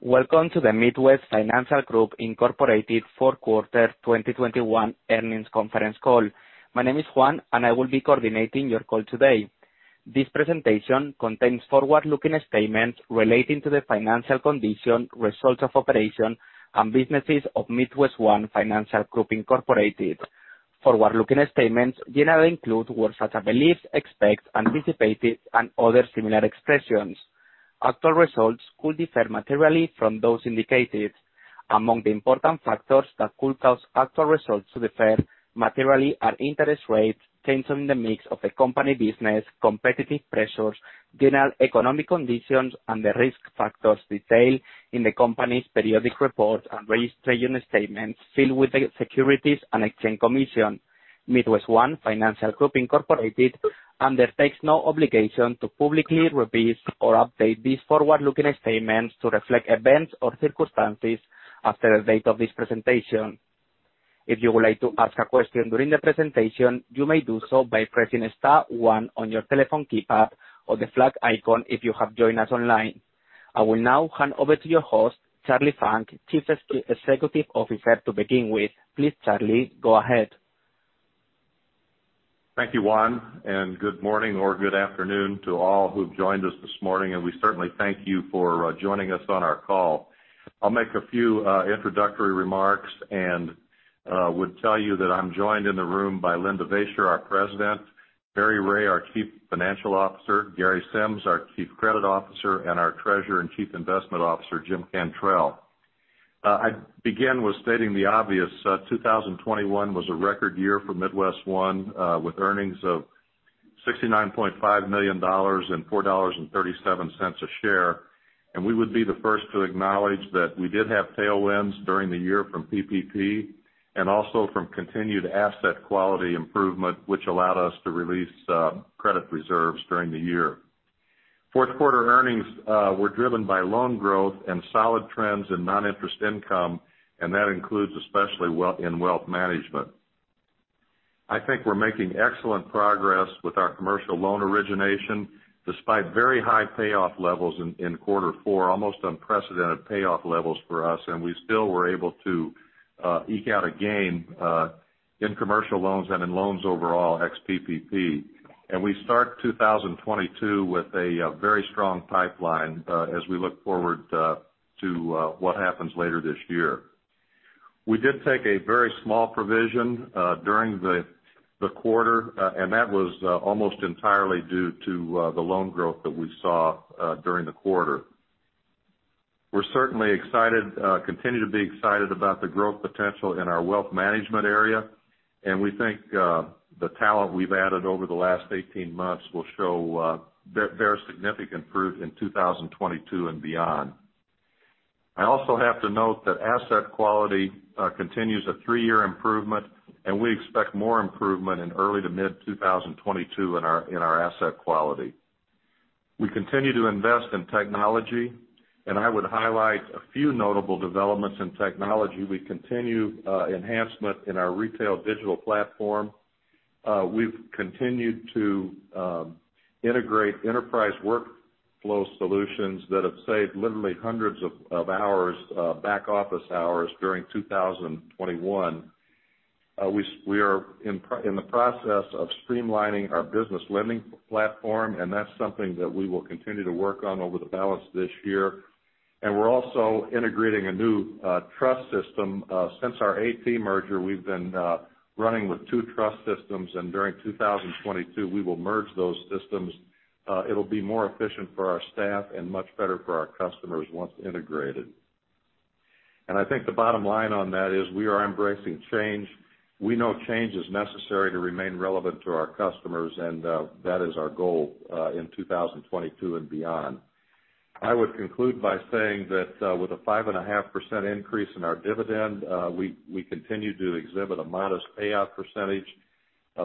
Welcome to the MidWestOne Financial Group, Inc. Fourth Quarter 2021 Earnings Conference Call. My name is Juan, and I will be coordinating your call today. This presentation contains forward-looking statements relating to the financial condition, results of operation, and businesses of MidWestOne Financial Group, Inc. Forward-looking statements generally include words such as believes, expect, anticipated, and other similar expressions. Actual results could differ materially from those indicated. Among the important factors that could cause actual results to differ materially are interest rates, changes in the mix of the company business, competitive pressures, general economic conditions, and the risk factors detailed in the company's periodic reports and registration statements filed with the Securities and Exchange Commission. MidWestOne Financial Group, Inc. undertakes no obligation to publicly revise or update these forward-looking statements to reflect events or circumstances after the date of this presentation. If you would like to ask a question during the presentation, you may do so by pressing star one on your telephone keypad or the flag icon if you have joined us online. I will now hand over to your host, Charlie Funk, Chief Executive Officer to begin with. Please, Charlie, go ahead. Thank you, Juan, and good morning or good afternoon to all who've joined us this morning, and we certainly thank you for joining us on our call. I'll make a few introductory remarks and would tell you that I'm joined in the room by Len Devaisher, our President, Barry Ray, our Chief Financial Officer, Gary Sims, our Chief Credit Officer, and our Treasurer and Chief Investment Officer, Jim Cantrell. I begin with stating the obvious. 2021 was a record year for MidWestOne, with earnings of $69.5 million and $4.37 a share. We would be the first to acknowledge that we did have tailwinds during the year from PPP and also from continued asset quality improvement, which allowed us to release credit reserves during the year. Fourth quarter earnings were driven by loan growth and solid trends in non-interest income, and that includes especially in wealth management. I think we're making excellent progress with our commercial loan origination, despite very high payoff levels in quarter four, almost unprecedented payoff levels for us, and we still were able to eke out a gain in commercial loans and in loans overall, ex PPP. We start 2022 with a very strong pipeline as we look forward to what happens later this year. We did take a very small provision during the quarter, and that was almost entirely due to the loan growth that we saw during the quarter. We're certainly excited to continue to be excited about the growth potential in our wealth management area, and we think the talent we've added over the last 18 months will show very significant fruit in 2022 and beyond. I also have to note that asset quality continues a three-year improvement, and we expect more improvement in early to mid-2022 in our asset quality. We continue to invest in technology, and I would highlight a few notable developments in technology. We continue enhancement in our retail digital platform. We've continued to integrate enterprise workflow solutions that have saved literally hundreds of hours back office hours during 2021. We are in the process of streamlining our business lending platform, and that's something that we will continue to work on over the balance of this year. We're also integrating a new trust system. Since our ATB merger, we've been running with two trust systems, and during 2022, we will merge those systems. It'll be more efficient for our staff and much better for our customers once integrated. I think the bottom line on that is we are embracing change. We know change is necessary to remain relevant to our customers, and that is our goal in 2022 and beyond. I would conclude by saying that with a 5.5% increase in our dividend, we continue to exhibit a modest payout percentage.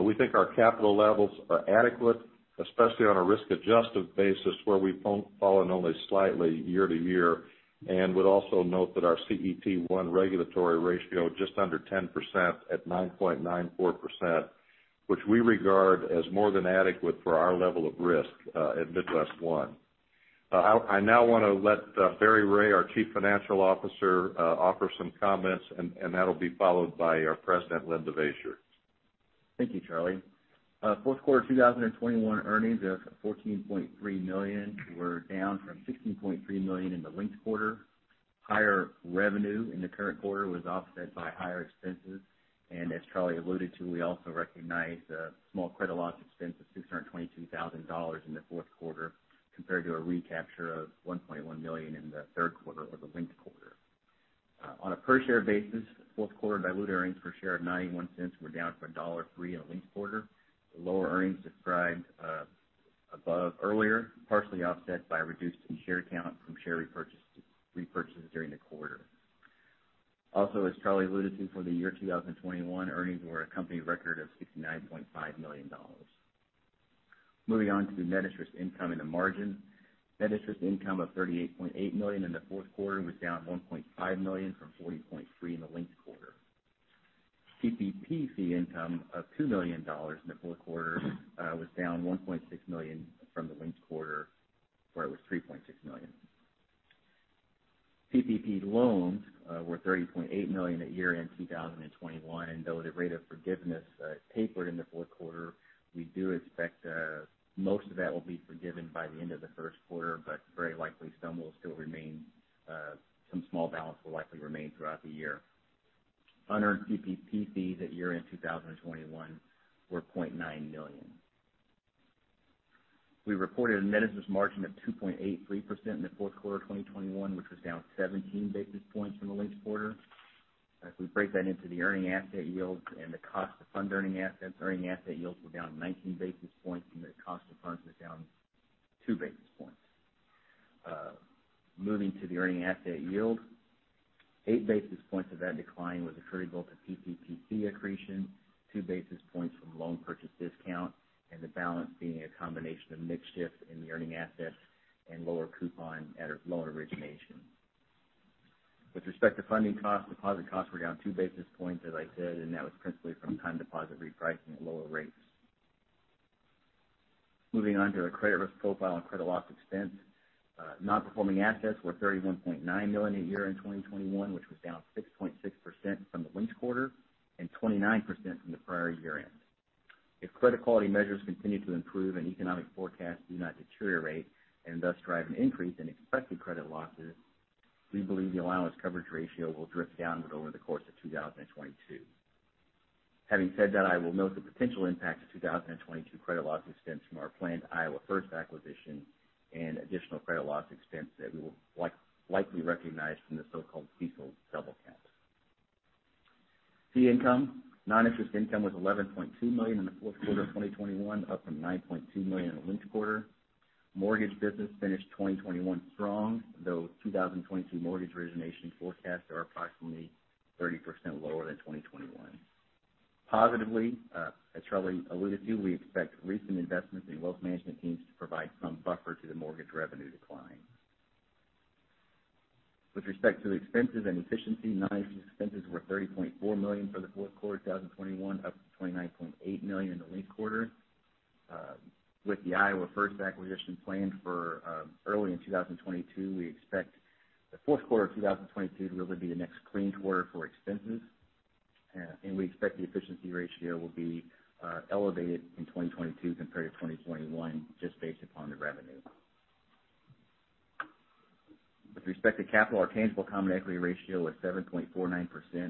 We think our capital levels are adequate, especially on a risk-adjusted basis, where we've fallen only slightly year-to-year. Would also note that our CET1 regulatory ratio just under 10% at 9.94%, which we regard as more than adequate for our level of risk, at MidWestOne. I now wanna let Barry Ray, our Chief Financial Officer, offer some comments and that'll be followed by our President, Len Devaisher. Thank you, Charlie. Fourth quarter 2021 earnings of $14.3 million were down from $16.3 million in the linked quarter. Higher revenue in the current quarter was offset by higher expenses, and as Charlie alluded to, we also recognized a small credit loss expense of $622,000 in the fourth quarter compared to a recapture of $1.1 million in the third quarter or the linked quarter. On a per share basis, fourth quarter dilute earnings per share of $0.91 were down from $1.03 in the linked quarter. The lower earnings described above earlier partially offset by a reduced share count from share repurchases during the quarter. Also, as Charlie alluded to, for the year 2021, earnings were a company record of $69.5 million. Moving on to net interest income and the margin. Net interest income of $38.8 million in the fourth quarter was down $1.5 million from $40.3 million in the linked quarter. PPP fee income of $2 million in the fourth quarter was down $1.6 million from the linked quarter, where it was $3.6 million. PPP loans were $30.8 million at year-end 2021, and though the rate of forgiveness tapered in the fourth quarter, we do expect most of that will be forgiven by the end of the first quarter, but very likely some will still remain some small balance will likely remain throughout the year. Unearned PPP fees at year-end 2021 were $0.9 million. We reported a net interest margin of 2.83% in the fourth quarter of 2021, which was down 17 basis points from the linked quarter. If we break that into the earning asset yields and the cost to fund earning assets, earning asset yields were down 19 basis points and the cost to funds was down 2 basis points. Moving to the earning asset yield, 8 basis points of that decline was attributable to PPP fee accretion, 2 basis points from loan purchase discount, and the balance being a combination of mix shift in the earning assets and lower coupon at loan origination. With respect to funding costs, deposit costs were down 2 basis points, as I said, and that was principally from time deposit repricing at lower rates. Moving on to our credit risk profile and credit loss expense. Non-performing assets were $31.9 million at year-end 2021, which was down 6.6% from the linked quarter and 29% from the prior year-end. If credit quality measures continue to improve and economic forecasts do not deteriorate and thus drive an increase in expected credit losses, we believe the allowance coverage ratio will drift downward over the course of 2022. Having said that, I will note the potential impact of 2022 credit loss expense from our planned Iowa First acquisition and additional credit loss expense that we will likely recognize from the so-called CECL double count. Fee income. Non-interest income was $11.2 million in the fourth quarter of 2021, up from $9.2 million in the linked quarter. Mortgage business finished 2021 strong, though 2022 mortgage origination forecasts are approximately 30% lower than 2021. Positively, as Charlie alluded to, we expect recent investments in wealth management teams to provide some buffer to the mortgage revenue decline. With respect to expenses and efficiency, non-interest expenses were $30.4 million for the fourth quarter 2021, up from $29.8 million in the linked quarter. With the Iowa First acquisition planned for early in 2022, we expect the fourth quarter of 2022 to really be the next clean quarter for expenses. We expect the efficiency ratio will be elevated in 2022 compared to 2021 just based upon the revenue. With respect to capital, our tangible common equity ratio was 7.49%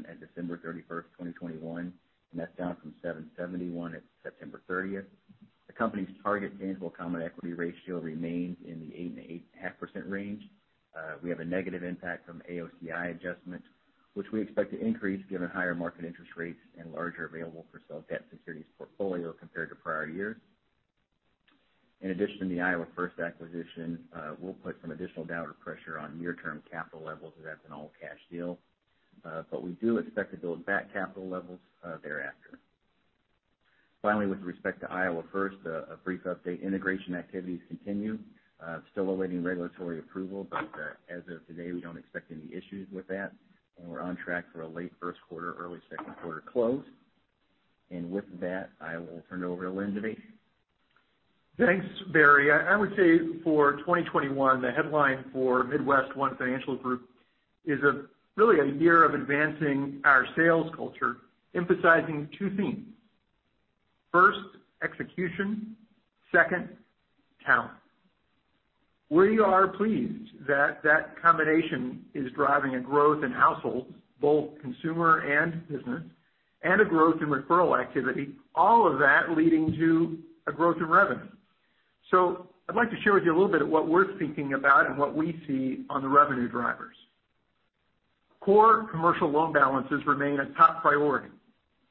at December 31, 2021, and that's down from 7.71% at September 30. The company's target tangible common equity ratio remains in the 8%-8.5% range. We have a negative impact from AOCI adjustments, which we expect to increase given higher market interest rates and larger available for sale debt securities portfolio compared to prior years. In addition, the Iowa First acquisition will put some additional downward pressure on tangible capital levels, as that's an all-cash deal. But we do expect to build back capital levels thereafter. Finally, with respect to Iowa First, a brief update. Integration activities continue. Still awaiting regulatory approval, but as of today, we don't expect any issues with that, and we're on track for a late first quarter, early second quarter close. With that, I will turn it over to Len Devaisher. Thanks, Barry. I would say for 2021, the headline for MidWestOne Financial Group is really a year of advancing our sales culture, emphasizing two themes. First, execution. Second, talent. We are pleased that combination is driving a growth in households, both consumer and business, and a growth in referral activity, all of that leading to a growth in revenue. I'd like to share with you a little bit of what we're thinking about and what we see on the revenue drivers. Core commercial loan balances remain a top priority,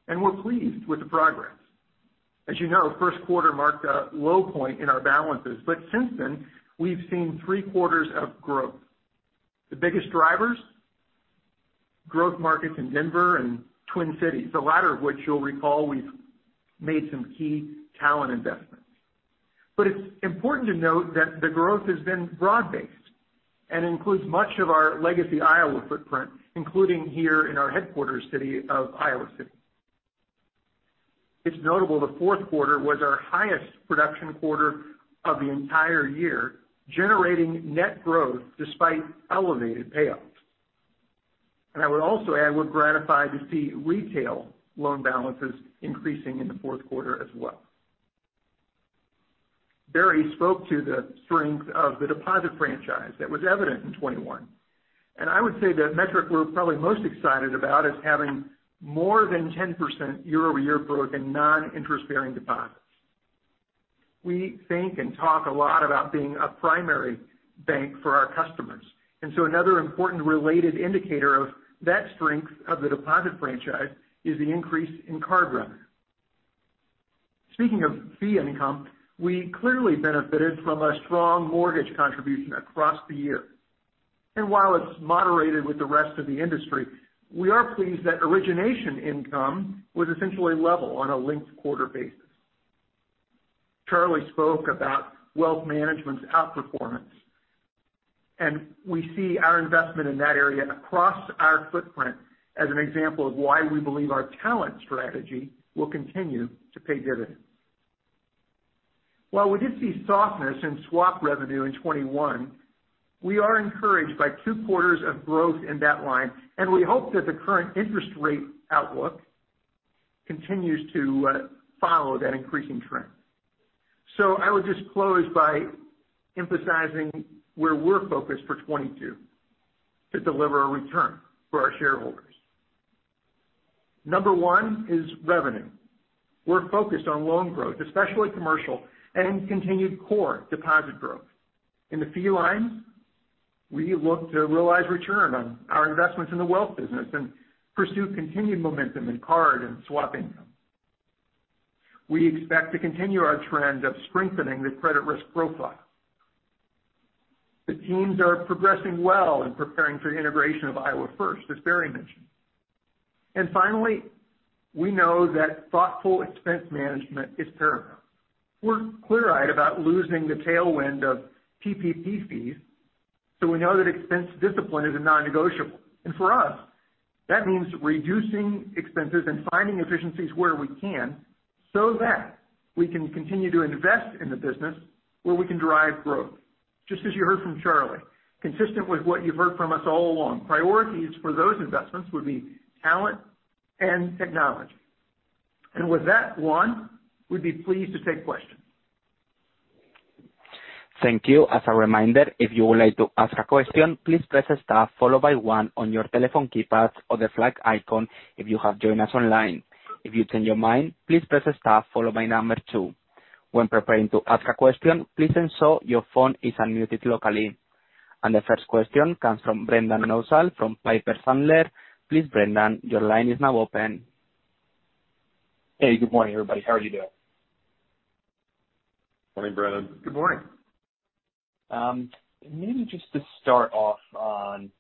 and we're pleased with the progress. As you know, first quarter marked a low point in our balances, but since then, we've seen three quarters of growth. The biggest drivers, growth markets in Denver and Twin Cities, the latter of which you'll recall we've made some key talent investments. It's important to note that the growth has been broad-based and includes much of our legacy Iowa footprint, including here in our headquarters city of Iowa City. It's notable the fourth quarter was our highest production quarter of the entire year, generating net growth despite elevated payoffs. I would also add we're gratified to see retail loan balances increasing in the fourth quarter as well. Barry spoke to the strength of the deposit franchise that was evident in 2021, and I would say the metric we're probably most excited about is having more than 10% year-over-year growth in non-interest-bearing deposits. We think and talk a lot about being a primary bank for our customers, and so another important related indicator of that strength of the deposit franchise is the increase in card revenue. Speaking of fee income, we clearly benefited from a strong mortgage contribution across the year. While it's moderated with the rest of the industry, we are pleased that origination income was essentially level on a linked quarter basis. Charlie spoke about wealth management's outperformance, and we see our investment in that area across our footprint as an example of why we believe our talent strategy will continue to pay dividends. While we did see softness in swap revenue in 2021, we are encouraged by two quarters of growth in that line, and we hope that the current interest rate outlook continues to follow that increasing trend. I would just close by emphasizing where we're focused for 2022 to deliver a return for our shareholders. Number 1 is revenue. We're focused on loan growth, especially commercial and continued core deposit growth. In the fee line, we look to realize return on our investments in the wealth business and pursue continued momentum in card and swapping. We expect to continue our trend of strengthening the credit risk profile. The teams are progressing well in preparing for the integration of Iowa First, as Barry mentioned. Finally, we know that thoughtful expense management is paramount. We're clear-eyed about losing the tailwind of PPP fees, so we know that expense discipline is a non-negotiable. For us, that means reducing expenses and finding efficiencies where we can so that we can continue to invest in the business where we can drive growth. Just as you heard from Charlie, consistent with what you've heard from us all along, priorities for those investments would be talent and technology. With that, Juan, we'd be pleased to take questions. Thank you. As a reminder, if you would like to ask a question, please press star followed by one on your telephone keypads or the flag icon if you have joined us online. If you change your mind, please press star followed by number two. When preparing to ask a question, please ensure your phone is unmuted locally. The first question comes from Brendan Nosal from Piper Sandler. Please, Brendan, your line is now open. Hey, Good morning, everybody. How are you doing? Morning, Brendan. Good morning. Maybe just to start off on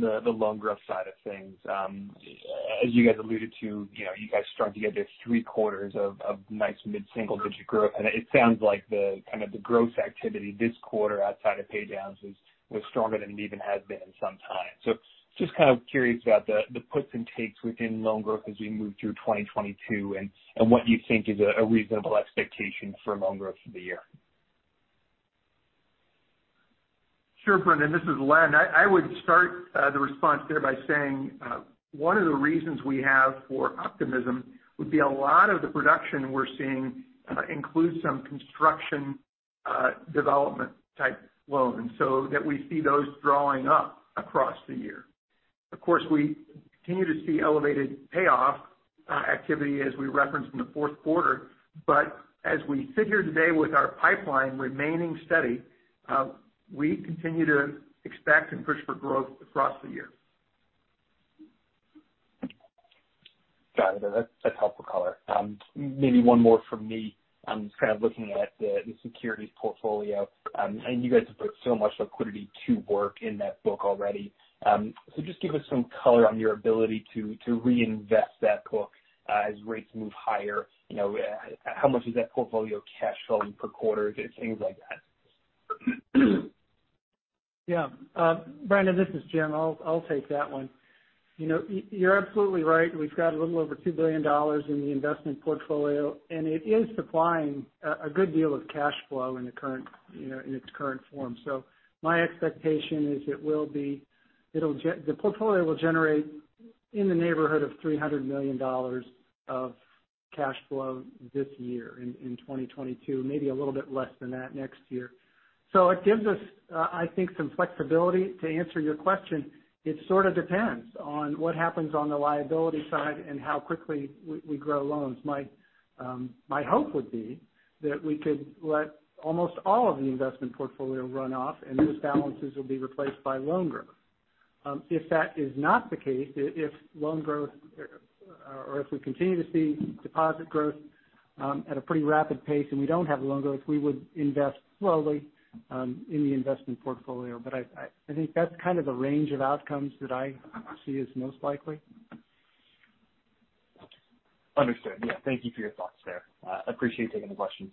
the loan growth side of things. As you guys alluded to, you know, you guys started to get those three quarters of nice mid-single digit growth. It sounds like the kind of growth activity this quarter outside of pay downs was stronger than it even has been in some time. Just kind of curious about the puts and takes within loan growth as we move through 2022 and what you think is a reasonable expectation for loan growth for the year. Sure, Brendan. This is Len. I would start the response there by saying one of the reasons we have for optimism would be a lot of the production we're seeing includes some construction development type loans, so that we see those drawing up across the year. Of course, we continue to see elevated payoff activity as we referenced in the fourth quarter. As we sit here today with our pipeline remaining steady, we continue to expect and push for growth across the year. Got it. That's helpful color. Maybe one more from me. I'm kind of looking at the securities portfolio. You guys have put so much liquidity to work in that book already. Just give us some color on your ability to reinvest that book as rates move higher. You know, how much is that portfolio cash flowing per quarter? Just things like that. Yeah. Brendan, this is Jim. I'll take that one. You know, you're absolutely right. We've got a little over $2 billion in the investment portfolio, and it is supplying a good deal of cash flow in the current, you know, in its current form. My expectation is The portfolio will generate in the neighborhood of $300 million of cash flow this year in 2022, maybe a little bit less than that next year. It gives us, I think, some flexibility. To answer your question, it sort of depends on what happens on the liability side and how quickly we grow loans. My hope would be that we could let almost all of the investment portfolio run off and those balances will be replaced by loan growth. If that is not the case, if loan growth or if we continue to see deposit growth at a pretty rapid pace, and we don't have loan growth, we would invest slowly in the investment portfolio. But I think that's kind of the range of outcomes that I see as most likely. Understood. Yeah. Thank you for your thoughts there. I appreciate taking the questions.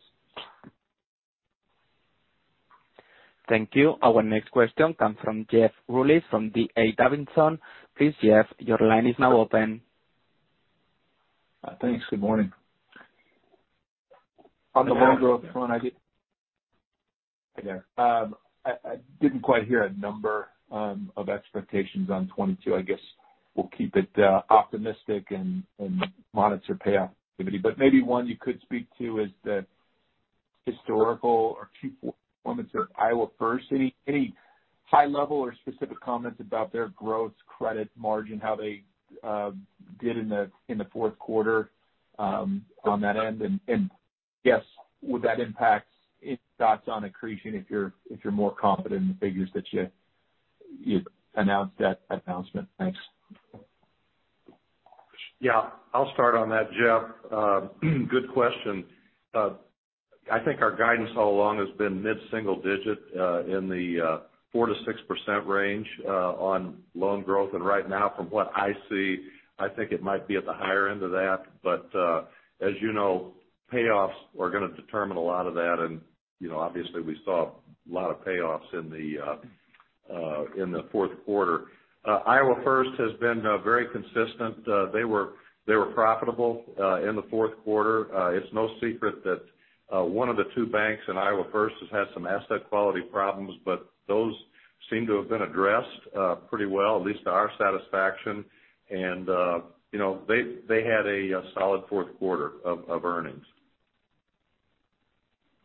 Thank you. Our next question comes from Jeff Rulis from D.A. Davidson. Please, Jeff, your line is now open. Thanks. Good morning. On the loan growth front, I did. Hey there. I didn't quite hear a number of expectations on 2022. I guess we'll keep it optimistic and monitor payoff activity. Maybe one you could speak to is the historical or key performance of Iowa First. Any high level or specific comments about their growth, credit margin, how they did in the fourth quarter on that end? Guess would that impact any thoughts on accretion if you're more confident in the figures that you announced at that announcement? Thanks. Yeah. I'll start on that, Jeff. Good question. I think our guidance all along has been mid-single digit in the 4%-6% range on loan growth. Right now, from what I see, I think it might be at the higher end of that. As you know, payoffs are gonna determine a lot of that. You know, obviously we saw a lot of payoffs in the fourth quarter. Iowa First has been very consistent. They were profitable in the fourth quarter. It's no secret that one of the two banks in Iowa First has had some asset quality problems, but those seem to have been addressed pretty well, at least to our satisfaction. You know, they had a solid fourth quarter of earnings.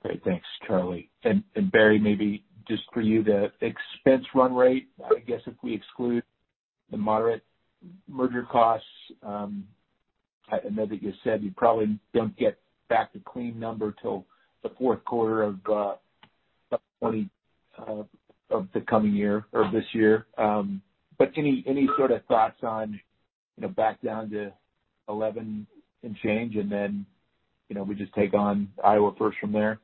Great. Thanks, Charlie. And Barry, maybe just for you, the expense run rate, I guess if we exclude the moderate merger costs. I know that you said you probably don't get back to clean number till the fourth quarter of the coming year or this year. But any sort of thoughts on, you know, back down to 11% and change and then, you know, we just take on Iowa First from there?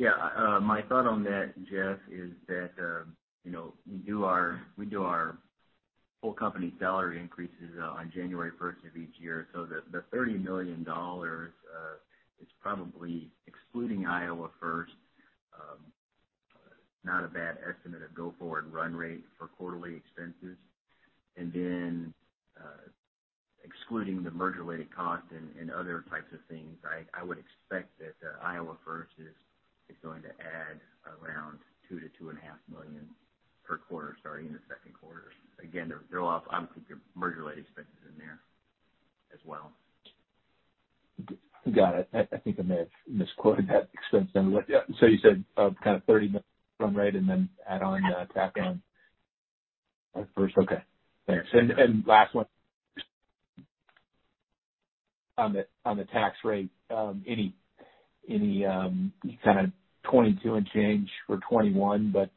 Yeah. My thought on that, Jeff, is that, you know, we do our full company salary increases on January 1st of each year. The $30 million is probably excluding Iowa First, not a bad estimate of go forward run rate for quarterly expenses. Excluding the merger-related costs and other types of things, I would expect that Iowa First is going to add around $2 million-$2.5 million per quarter, starting in the second quarter. Again, there are merger-related expenses in there as well. Got it. I think I may have misquoted that expense number. You said, kind of 30 run rate and then add on, tack on Iowa First. Okay. Thanks. Last one. On the tax rate, any kind of 2022 and change or 2021, but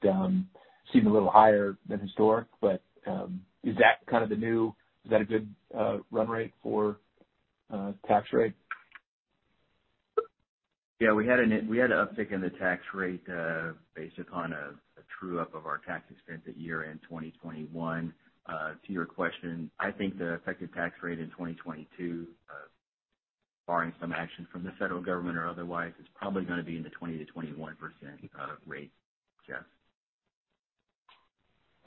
seems a little higher than historic, but is that kind of a good run rate for tax rate? Yeah. We had an uptick in the tax rate, based upon a true up of our tax expense at year-end 2021. To your question, I think the effective tax rate in 2022, barring some action from the federal government or otherwise, is probably gonna be in the 20%-21% rate, Jeff.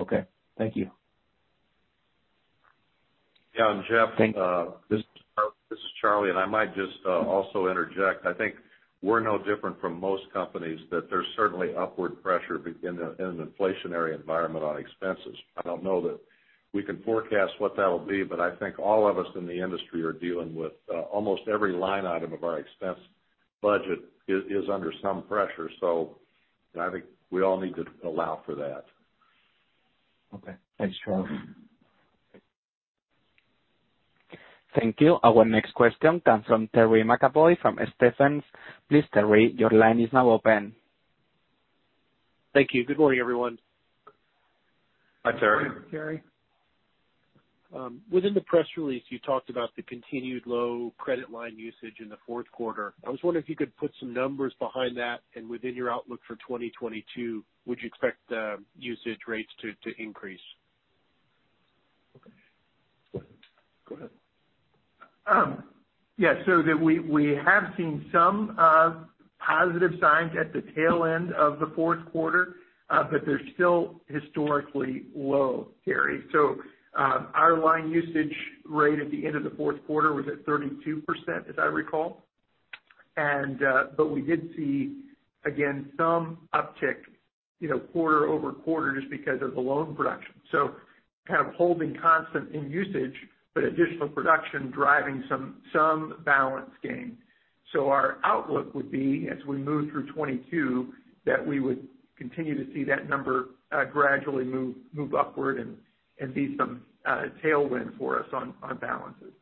Okay. Thank you. Yeah. Jeff, this is Charlie, and I might just also interject. I think we're no different from most companies, that there's certainly upward pressure in an inflationary environment on expenses. I don't know that we can forecast what that'll be, but I think all of us in the industry are dealing with almost every line item of our expense budget is under some pressure. I think we all need to allow for that. Okay. Thanks, Charlie. Thank you. Our next question comes from Terry McEvoy from Stephens. Please, Terry, your line is now open. Thank you. Good morning, everyone. Hi, Terry. Terry. Within the press release, you talked about the continued low credit line usage in the fourth quarter. I was wondering if you could put some numbers behind that. Within your outlook for 2022, would you expect usage rates to increase? Go ahead. Yes. We have seen some positive signs at the tail end of the fourth quarter, but they're still historically low, Terry. Our line usage rate at the end of the fourth quarter was at 32%, as I recall. But we did see, again, some uptick, you know, quarter-over-quarter just because of the loan production. Kind of holding constant in usage, but additional production driving some balance gain. Our outlook would be, as we move through 2022, that we would continue to see that number gradually move upward and be some tailwind for us on balances.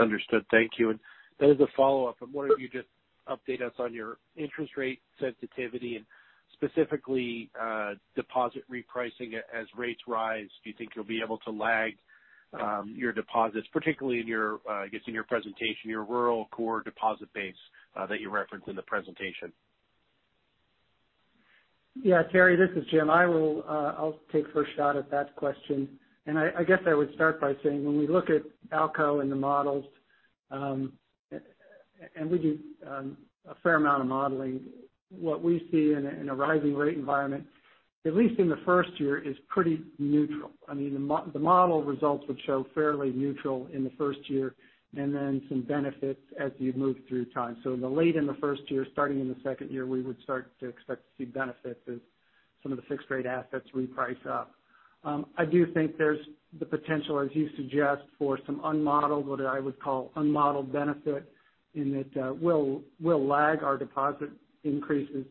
Understood. Thank you. As a follow-up, I'm wondering if you could just update us on your interest rate sensitivity and specifically, deposit repricing as rates rise. Do you think you'll be able to lag your deposits, particularly in your, I guess in your presentation, your rural core deposit base that you referenced in the presentation? Yeah, Terry, this is Jim. I will, I'll take first shot at that question. I guess I would start by saying when we look at ALCO in the models, and we do a fair amount of modeling, what we see in a rising rate environment, at least in the first year, is pretty neutral. I mean, the model results would show fairly neutral in the first year and then some benefits as you move through time. Later in the first year, starting in the second year, we would start to expect to see benefits as some of the fixed rate assets reprice up. I do think there's the potential, as you suggest, for some unmodeled, what I would call unmodeled benefit in that, we'll lag our deposit increases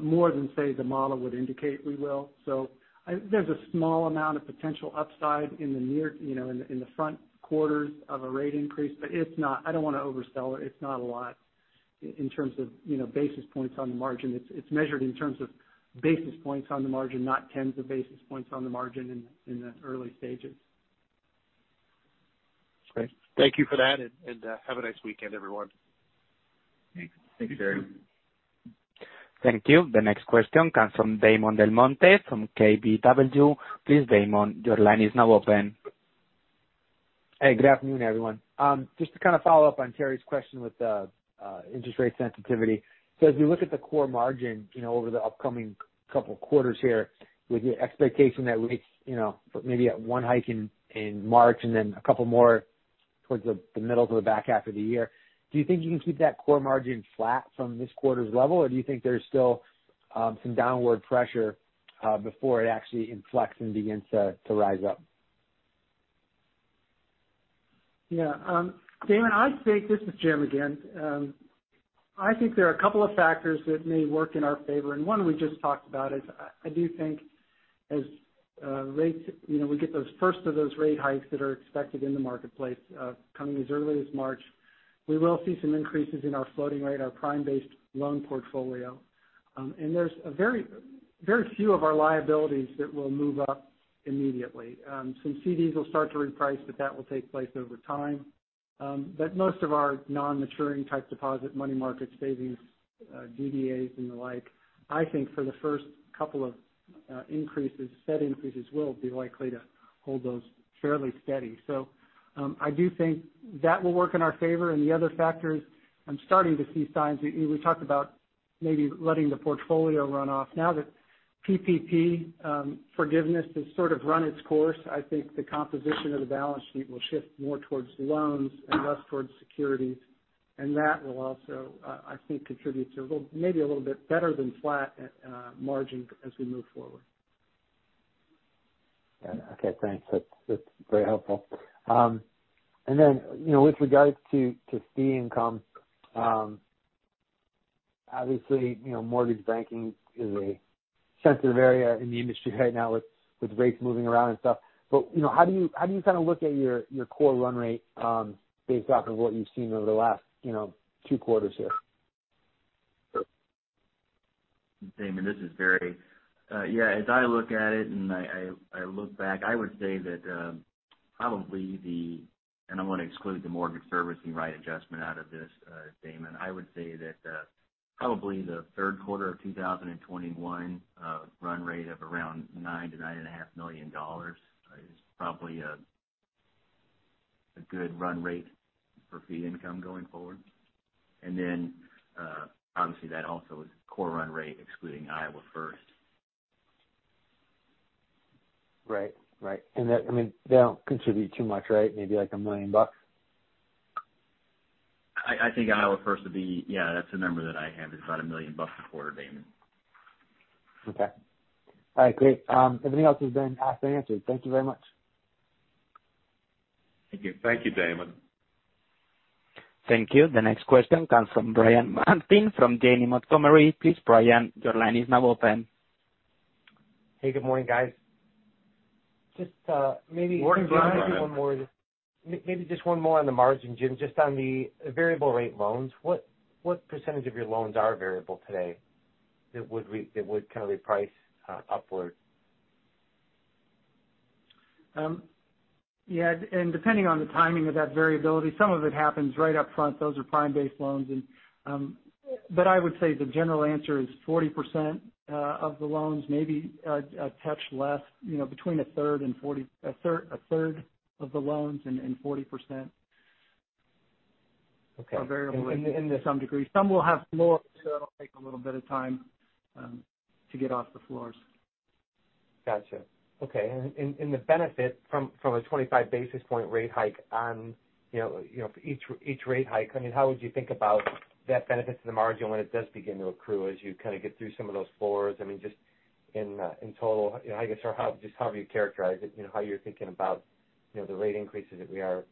more than say the model would indicate we will. There's a small amount of potential upside in the near, you know, in the front quarters of a rate increase. It's not—I don't want to oversell it. It's not a lot in terms of, you know, basis points on the margin. It's measured in terms of basis points on the margin, not tens of basis points on the margin in the early stages. Great. Thank you for that and have a nice weekend, everyone. Thanks. Thank you, Terry. Thank you. The next question comes from Damon DelMonte from KBW. Please, Damon, your line is now open. Hey, good afternoon, everyone. Just to kind of follow up on Terry's question with the interest rate sensitivity. As we look at the core margin, you know, over the upcoming couple of quarters here with the expectation that we, you know, maybe at one hike in March and then a couple more towards the middle to the back half of the year, do you think you can keep that core margin flat from this quarter's level or do you think there's still some downward pressure before it actually inflects and begins to rise up? Yeah. Damon, this is Jim again. I think there are a couple of factors that may work in our favor, and one we just talked about is I do think as rates, you know, we get those first of those rate hikes that are expected in the marketplace, coming as early as March, we will see some increases in our floating rate, our prime-based loan portfolio. There's a very, very few of our liabilities that will move up immediately. Some CDs will start to reprice, but that will take place over time. Most of our non-maturing type deposit money market savings, DDAs and the like, I think for the first couple of increases, Fed increases will be likely to hold those fairly steady. I do think that will work in our favor. The other factors I'm starting to see signs, you know, we talked about maybe letting the portfolio run off. Now that PPP forgiveness has sort of run its course, I think the composition of the balance sheet will shift more towards loans and less towards securities. That will also, I think, contribute to a little, maybe a little bit better than flat margin as we move forward. Yeah. Okay, thanks. That's very helpful. You know, with regards to fee income, obviously, you know, mortgage banking is a sensitive area in the industry right now with rates moving around and stuff. You know, how do you kind of look at your core run rate, based off of what you've seen over the last, you know, two quarters here? Damon, this is Barry. As I look at it and I look back, I would say that, probably the – and I'm gonna exclude the mortgage servicing right adjustment out of this, Damon. I would say that, probably the third quarter of 2021, run rate of around $9 million-$9.5 million is probably a good run rate for fee income going forward. Obviously, that also is core run rate excluding Iowa First. Right. That, I mean, they don't contribute too much, right? Maybe like $1 million. I think Iowa First would be. Yeah, that's the number that I have. It's about $1 million a quarter, Damon. Okay. All right, great. Everything else has been asked and answered. Thank you very much. Thank you. Thank you, Damon. Thank you. The next question comes from Brian Martin from Janney Montgomery. Please, Brian, your line is now open. Hey, good morning, guys. Just, maybe- Good morning, Brian. Maybe just one more on the margin, Jim. Just on the variable rate loans, what percentage of your loans are variable today that would kind of reprice upward? Yeah, depending on the timing of that variability, some of it happens right up front. Those are prime-based loans, but I would say the general answer is 40% of the loans, maybe a touch less, you know, between a third of the loans and 40%. Okay. are variable and to some degree. Some will have more, so it'll take a little bit of time to get off the floors. Gotcha. Okay. The benefit from a 25 basis point rate hike on, you know, each rate hike, I mean, how would you think about that benefit to the margin when it does begin to accrue as you kind of get through some of those floors? I mean, just in total, I guess, or how, just however you characterize it, you know, how you're thinking about, you know, the rate increases that we are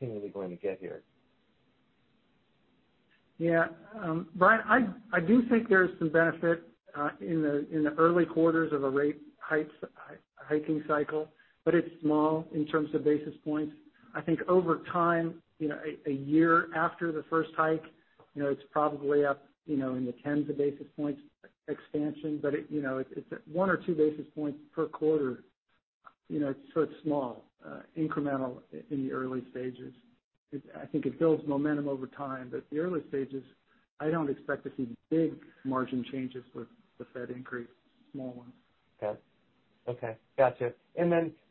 seemingly going to get here. Yeah. Brian, I do think there's some benefit in the early quarters of a rate hiking cycle, but it's small in terms of basis points. I think over time, you know, a year after the first hike, you know, it's probably up, you know, in the tens of basis points expansion. It, you know, it's 1 or 2 basis points per quarter, you know. It's small, incremental in the early stages. I think it builds momentum over time, but the early stages, I don't expect to see big margin changes with the Fed increase. Small ones. Okay. Okay. Gotcha.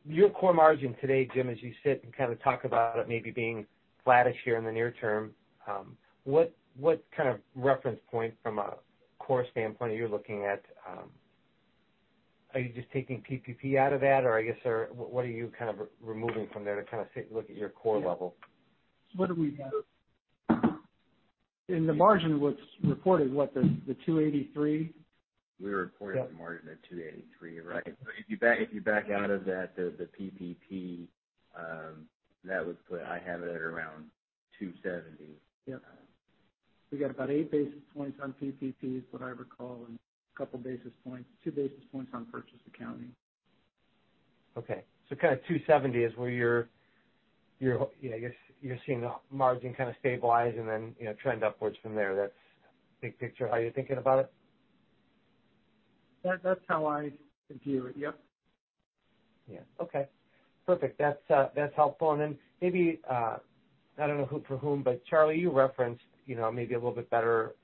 Your core margin today, Jim, as you sit and kind of talk about it maybe being flattish here in the near term, what kind of reference point from a core standpoint are you looking at? Are you just taking PPP out of that or I guess what are you kind of removing from there to kind of take a look at your core level? What do we have? In the margin was reported, what, the 283? We reported the margin at 2.83%, right. If you back out of that, the PPP, I have it at around 2.70%. Yep. We got about 8 basis points on PPP is what I recall, and a couple basis points, 2 basis points on purchase accounting. Okay. Kind of 2.70% is where you're. Yeah, I guess you're seeing the margin kind of stabilize and then, you know, trend upwards from there. That's big picture how you're thinking about it? That, that's how I view it. Yep. Yeah. Okay. Perfect. That's helpful. Then maybe, I don't know for whom, but Charlie, you referenced, you know, maybe a little bit better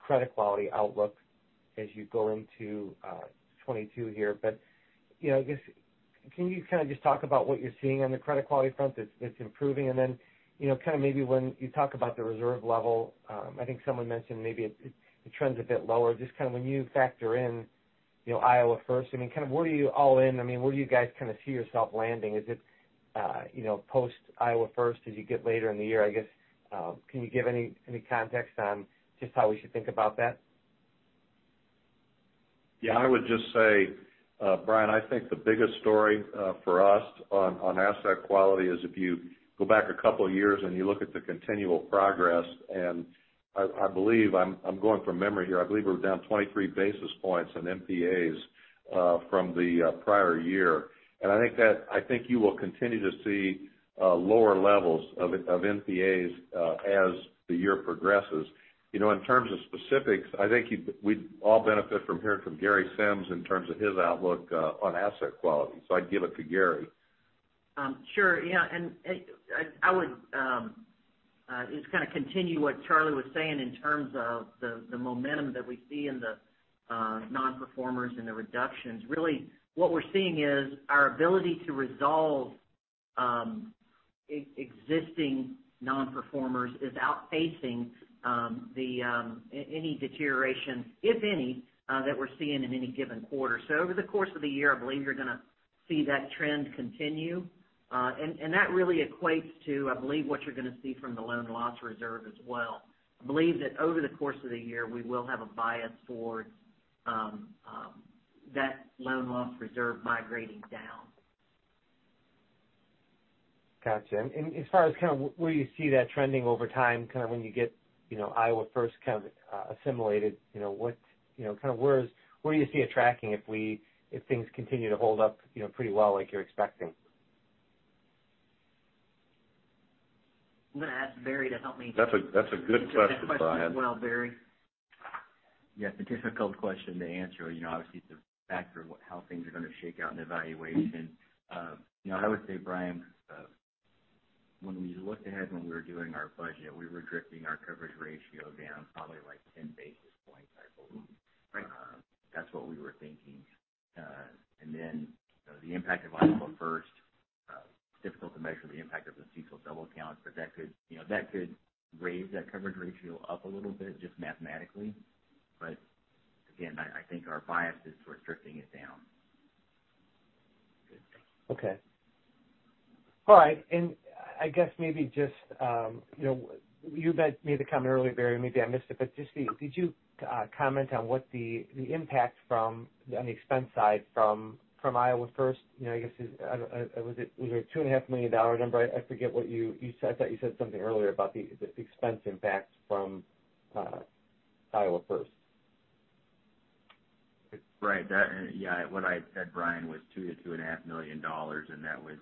credit quality outlook as you go into 2022 here. You know, I guess can you kind of just talk about what you're seeing on the credit quality front that's improving? Then, you know, kind of maybe when you talk about the reserve level, I think someone mentioned maybe it trends a bit lower. Just kind of when you factor in, you know, Iowa First, I mean, kind of where do you guys kind of see yourself landing? Is it, you know, post Iowa First as you get later in the year? I guess, can you give any context on just how we should think about that? Yeah, I would just say, Brian, I think the biggest story for us on asset quality is if you go back a couple of years, and you look at the continual progress, and I believe I'm going from memory here. I believe we're down 23 basis points on NPAs from the prior year. I think you will continue to see lower levels of NPAs as the year progresses. You know, in terms of specifics, I think we'd all benefit from hearing from Gary Sims in terms of his outlook on asset quality. I'd give it to Gary. Sure. Yeah, I would just kind of continue what Charlie was saying in terms of the momentum that we see in the nonperformers and the reductions. Really, what we're seeing is our ability to resolve existing nonperformers is outpacing any deterioration, if any, that we're seeing in any given quarter. Over the course of the year, I believe you're gonna see that trend continue. That really equates to, I believe, what you're gonna see from the loan loss reserve as well. I believe that over the course of the year, we will have a bias towards that loan loss reserve migrating down. Gotcha. As far as kind of where you see that trending over time, kind of when you get, you know, Iowa First kind of assimilated, you know, kind of where do you see it tracking if things continue to hold up, you know, pretty well like you're expecting? I'm gonna ask Barry to help me. That's a good question, Brian. Answer that question as well, Barry. Yes, a difficult question to answer. You know, obviously, it's a factor of how things are gonna shake out in evaluation. You know, I would say, Brian, when we looked ahead when we were doing our budget, we were drifting our coverage ratio down probably like 10 basis points, I believe. Right. That's what we were thinking. You know, the impact of Iowa First, difficult to measure the impact of the CECL double count, but that could, you know, raise that coverage ratio up a little bit just mathematically. Again, I think our bias is we're drifting it down. Okay. All right. I guess maybe just, you know, you made the comment earlier, Barry, maybe I missed it, but just did you comment on what the impact from on the expense side from Iowa First? You know, I guess, was it a $2.5 million number? I forget what you said. I thought you said something earlier about the expense impacts from Iowa First. Right. Yeah, what I said, Brian, was $2 million-$2.5 million, and that was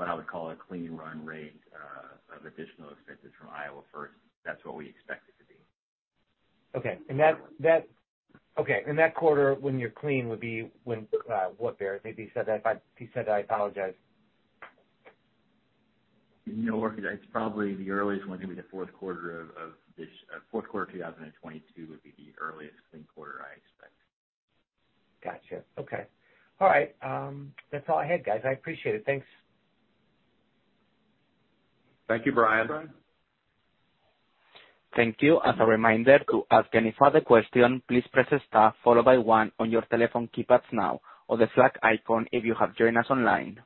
what I would call a clean run rate of additional expenses from Iowa First. That's what we expect it to be. Okay. That quarter when you're clean would be when, what, Barry? Maybe you said that, but if you said that, I apologize. No. It's probably the earliest one is gonna be the fourth quarter 2022 would be the earliest clean quarter, I expect. Gotcha. Okay. All right. That's all I had, guys. I appreciate it. Thanks. Thank you, Brian. Thank you. As a reminder, to ask any further question, please press star followed by one on your telephone keypads now, or the flag icon if you have joined us online.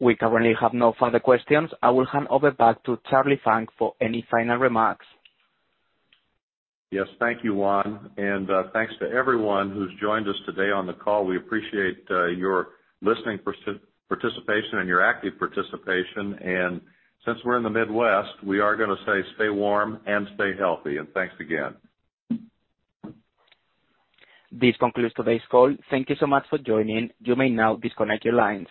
We currently have no further questions. I will hand over back to Charlie Funk for any final remarks. Yes. Thank you, Juan. Thanks to everyone who's joined us today on the call. We appreciate your listening participation and your active participation. Since we're in the Midwest, we are gonna say stay warm and stay healthy. Thanks again. This concludes today's call. Thank you so much for joining. You may now disconnect your lines.